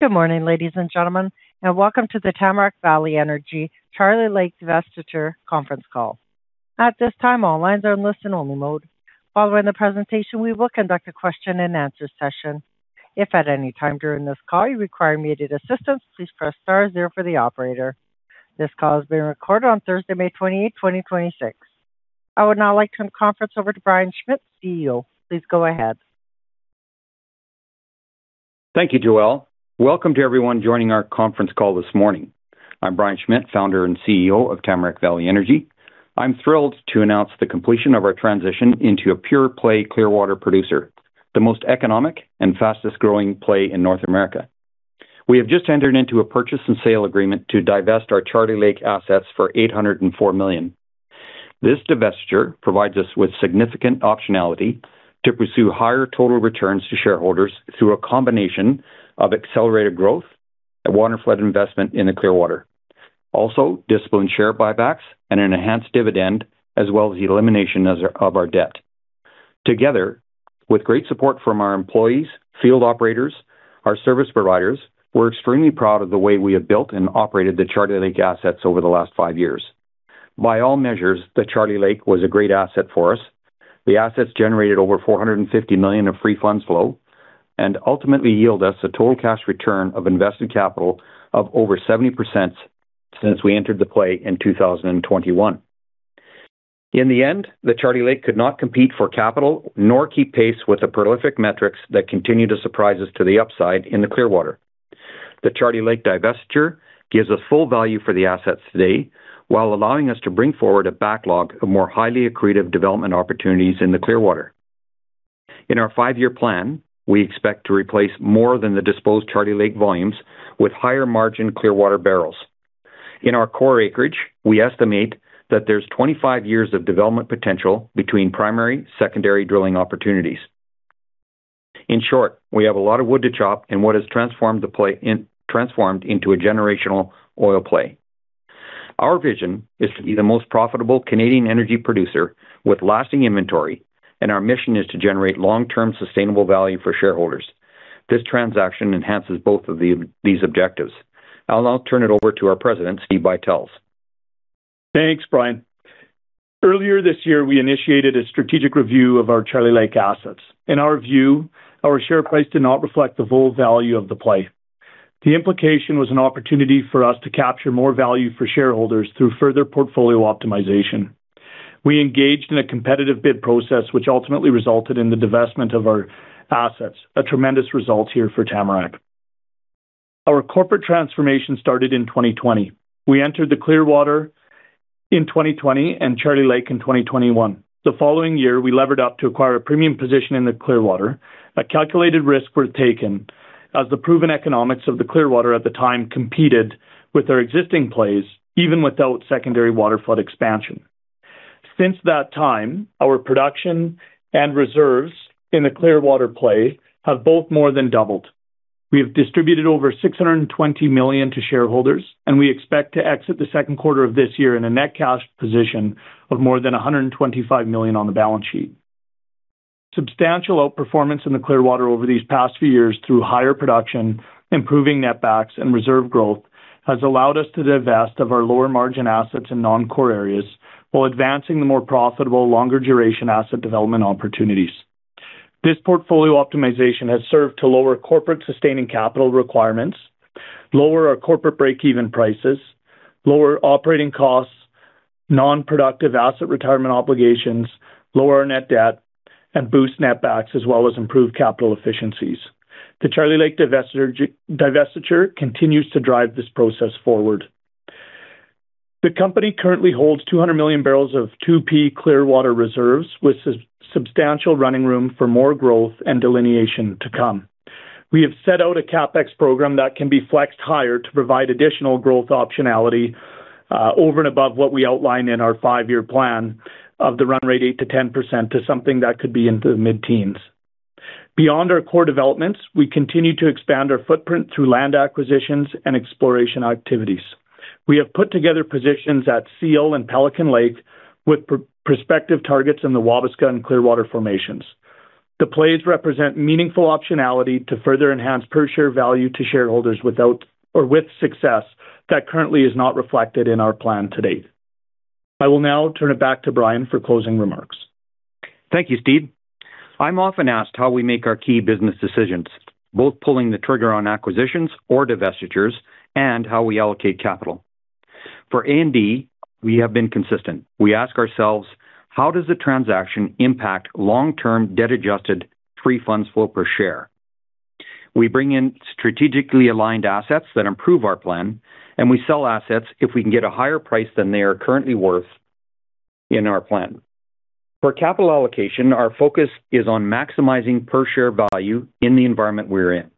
Good morning, ladies and gentlemen, and welcome to the Tamarack Valley Energy Charlie Lake Divestiture conference call. This call is being recorded on Thursday, May 28th, 2026. I would now like to turn the conference over to Brian Schmidt, CEO. Please go ahead. Thank you, Joelle. Welcome to everyone joining our conference call this morning. I'm Brian Schmidt, Founder and Chief Executive Officer of Tamarack Valley Energy. I'm thrilled to announce the completion of our transition into a pure-play Clearwater producer, the most economic and fastest-growing play in North America. We have just entered into a purchase and sale agreement to divest our Charlie Lake assets for 804 million. This divestiture provides us with significant optionality to pursue higher total returns to shareholders through a combination of accelerated growth and waterflood investment in the Clearwater. Also, disciplined share buybacks and an enhanced dividend, as well as the elimination of our debt. Together, with great support from our employees, field operators, our service providers, we're extremely proud of the way we have built and operated the Charlie Lake assets over the last five years. By all measures, the Charlie Lake was a great asset for us. The assets generated over 450 million of free funds flow, and ultimately yield us a total cash return of invested capital of over 70% since we entered the play in 2021. In the end, the Charlie Lake could not compete for capital nor keep pace with the prolific metrics that continue to surprise us to the upside in the Clearwater. The Charlie Lake divestiture gives us full value for the assets today, while allowing us to bring forward a backlog of more highly accretive development opportunities in the Clearwater. In our five-year plan, we expect to replace more than the disposed Charlie Lake volumes with higher margin Clearwater barrels. In our core acreage, we estimate that there's 25 years of development potential between primary, secondary drilling opportunities. In short, we have a lot of wood to chop in what has transformed into a generational oil play. Our vision is to be the most profitable Canadian energy producer with lasting inventory, and our mission is to generate long-term sustainable value for shareholders. This transaction enhances both of these objectives. I'll now turn it over to our President, Steve Buytels. Thanks, Brian. Earlier this year, we initiated a strategic review of our Charlie Lake assets. In our view, our share price did not reflect the full value of the play. The implication was an opportunity for us to capture more value for shareholders through further portfolio optimization. We engaged in a competitive bid process, which ultimately resulted in the divestment of our assets. A tremendous result here for Tamarack. Our corporate transformation started in 2020. We entered the Clearwater in 2020 and Charlie Lake in 2021. The following year, we levered up to acquire a premium position in the Clearwater. A calculated risk was taken as the proven economics of the Clearwater at the time competed with our existing plays, even without secondary waterflood expansion. Since that time, our production and reserves in the Clearwater play have both more than doubled. We have distributed over 620 million to shareholders. We expect to exit the second quarter of this year in a net cash position of more than 125 million on the balance sheet. Substantial outperformance in the Clearwater over these past few years through higher production, improving netbacks, and reserve growth, has allowed us to divest of our lower margin assets in non-core areas while advancing the more profitable, longer duration asset development opportunities. This portfolio optimization has served to lower corporate sustaining capital requirements, lower our corporate breakeven prices, lower operating costs, non-productive asset retirement obligations, lower our net debt, and boost netbacks, as well as improve capital efficiencies. The Charlie Lake divestiture continues to drive this process forward. The company currently holds 200 million barrels of 2P Clearwater reserves with substantial running room for more growth and delineation to come. We have set out a CapEx program that can be flexed higher to provide additional growth optionality, over and above what we outlined in our five-year plan of the run rate eight to 10% to something that could be into the mid-teens. Beyond our core developments, we continue to expand our footprint through land acquisitions and exploration activities. We have put together positions at Seal and Pelican Lake with prospective targets in the Wabasca and Clearwater formations. The plays represent meaningful optionality to further enhance per share value to shareholders with success that currently is not reflected in our plan to date. I will now turn it back to Brian for closing remarks. Thank you, Steve. I'm often asked how we make our key business decisions, both pulling the trigger on acquisitions or divestitures, and how we allocate capital. For A&D, we have been consistent. We ask ourselves, how does a transaction impact long-term debt-adjusted free funds flow per share? We bring in strategically aligned assets that improve our plan, and we sell assets if we can get a higher price than they are currently worth in our plan. For capital allocation, our focus is on maximizing per share value in the environment we're in.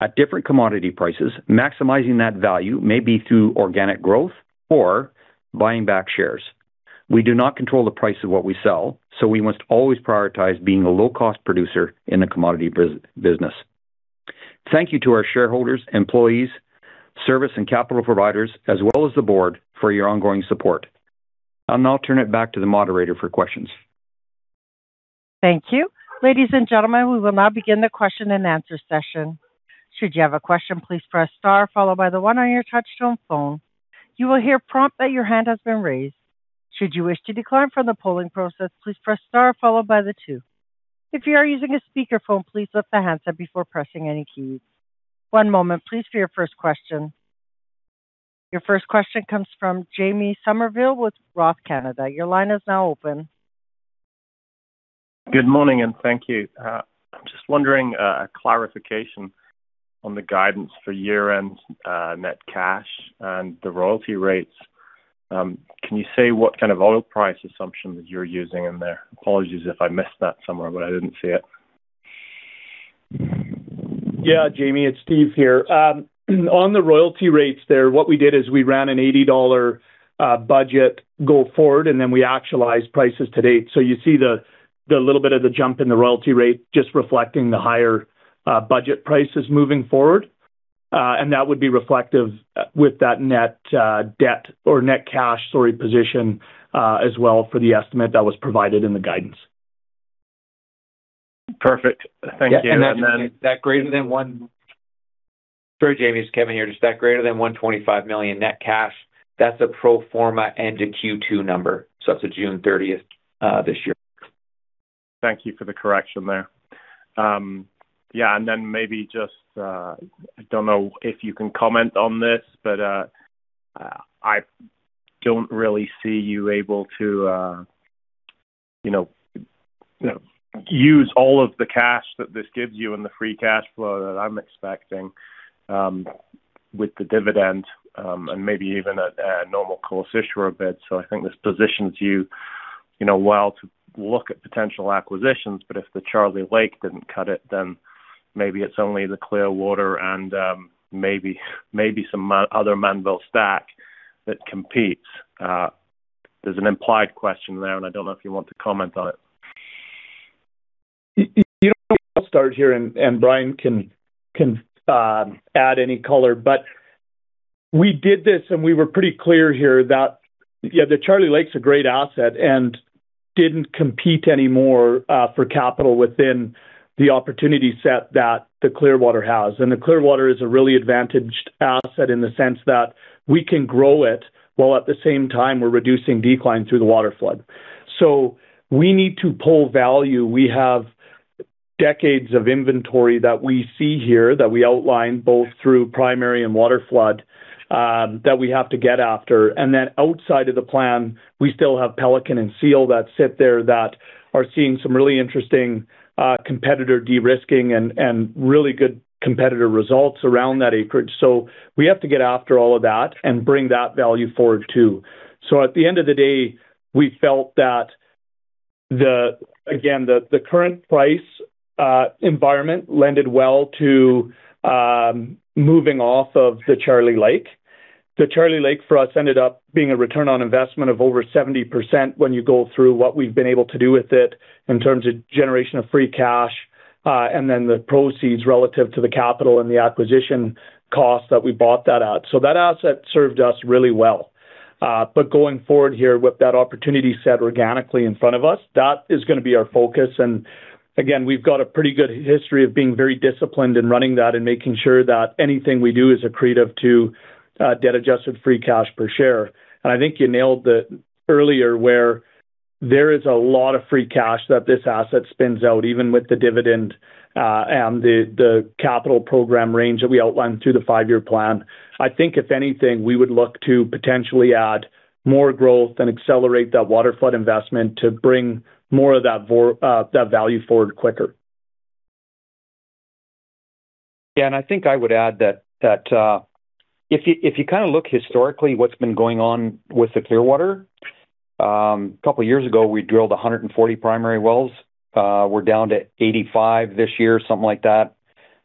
At different commodity prices, maximizing that value may be through organic growth or buying back shares. We do not control the price of what we sell, so we must always prioritize being a low-cost producer in the commodity business. Thank you to our shareholders, employees, service and capital providers, as well as the board, for your ongoing support. I'll now turn it back to the moderator for questions. Thank you. Ladies and gentlemen, we will now begin the question and answer session. Should you have a question, please press star followed by the one on your touchtone phone. You will hear a prompt that your hand has been raised. Should you wish to decline from the polling process, please press star followed by the two. If you are using a speakerphone, please lift the handset before pressing any keys. One moment, please, for your first question. Your first question comes from Jamie Somerville with Roth Canada. Your line is now open. Good morning, and thank you. Just wondering, clarification on the guidance for year-end net cash and the royalty rates. Can you say what kind of oil price assumption that you're using in there? Apologies if I missed that somewhere, I didn't see it. Yeah, Jamie, it's Steve here. On the royalty rates there, what we did is we ran a 80 dollar budget go forward. Then we actualized prices to date. You see the little bit of the jump in the royalty rate just reflecting the higher budget prices moving forward. That would be reflective with that net debt or net cash, sorry, position, as well for the estimate that was provided in the guidance. Perfect. Thank you. Yeah, Sorry, Jamie, it's Kevin here. Just that greater than 125 million net cash, that's a pro forma end to Q2 number, so that's a June thirtieth this year. Thank you for the correction there. Yeah, then maybe just, I don't know if you can comment on this, but, I don't really see you able to use all of the cash that this gives you and the free cash flow that I'm expecting with the dividend, and maybe even at a normal course issuer bid. I think this positions you well to look at potential acquisitions, but if the Charlie Lake didn't cut it, then maybe it's only the Clearwater and maybe some other Mannville stack that competes. There's an implied question there, and I don't know if you want to comment on it. You know what? I'll start here and Brian can add any color. We did this, and we were pretty clear here that, yeah, the Charlie Lake's a great asset and didn't compete anymore for capital within the opportunity set that the Clearwater has. The Clearwater is a really advantaged asset in the sense that we can grow it, while at the same time, we're reducing decline through the waterflood. We need to pull value. We have decades of inventory that we see here, that we outlined both through primary and waterflood, that we have to get after. Outside of the plan, we still have Pelican and Seal that sit there that are seeing some really interesting competitor de-risking and really good competitor results around that acreage. We have to get after all of that and bring that value forward, too. At the end of the day, we felt that the, again, the current price environment lended well to moving off of the Charlie Lake. The Charlie Lake for us ended up being a return on investment of over 70% when you go through what we've been able to do with it in terms of generation of free cash, and then the proceeds relative to the capital and the acquisition cost that we bought that at. That asset served us really well. Going forward here with that opportunity set organically in front of us, that is gonna be our focus. Again, we've got a pretty good history of being very disciplined in running that and making sure that anything we do is accretive to debt-adjusted free cash per share. I think you nailed it earlier where there is a lot of free cash that this asset spins out, even with the dividend, and the capital program range that we outlined through the Five-Year Plan. I think if anything, we would look to potentially add more growth and accelerate that waterflood investment to bring more of that value forward quicker. Yeah, I think I would add that if you kind of look historically what's been going on with the Clearwater, a couple of years ago, we drilled 140 primary wells. We're down to 85 this year, something like that.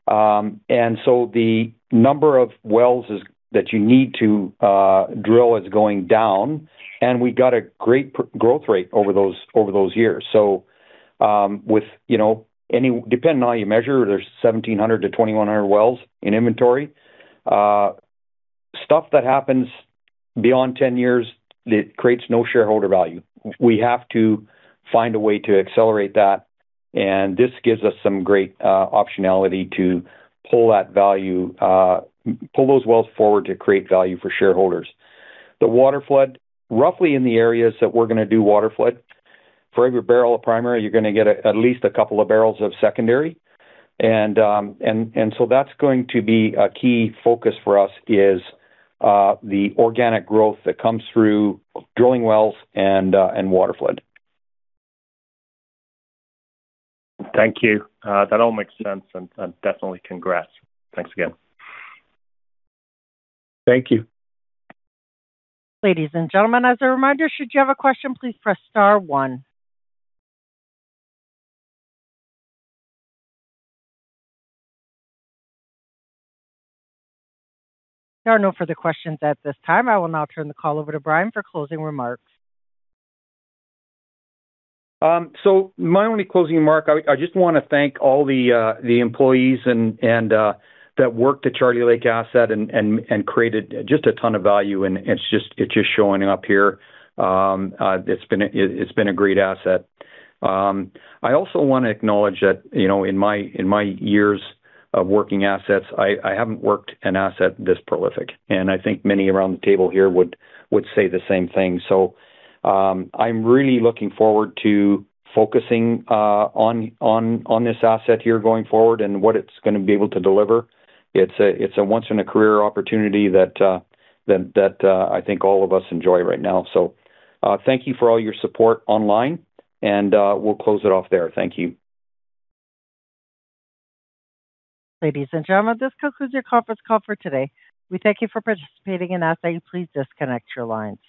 The number of wells that you need to drill is going down, and we got a great growth rate over those years. With, depending on how you measure, there's 1,700 to 2,100 wells in inventory. Stuff that happens beyond 10 years, it creates no shareholder value. We have to find a way to accelerate that, and this gives us some great optionality to pull those wells forward to create value for shareholders. The waterflood, roughly in the areas that we're going to do waterflood, for every barrel of primary, you're going to get at least a couple of barrels of secondary. That's going to be a key focus for us is the organic growth that comes through drilling wells and waterflood. Thank you. That all makes sense, and definitely congrats. Thanks again. Thank you. Ladies and gentlemen, as a reminder, should you have a question, please press star one. There are no further questions at this time. I will now turn the call over to Brian for closing remarks. My only closing remark, I just want to thank all the employees that worked at Charlie Lake asset and created just a ton of value, and it's just showing up here. It's been a great asset. I also want to acknowledge that in my years of working assets, I haven't worked an asset this prolific, and I think many around the table here would say the same thing. I'm really looking forward to focusing on this asset here going forward and what it's going to be able to deliver. It's a once in a career opportunity that I think all of us enjoy right now. Thank you for all your support online, and we'll close it off there. Thank you. Ladies and gentlemen, this concludes your conference call for today. We thank you for participating and ask that you please disconnect your lines.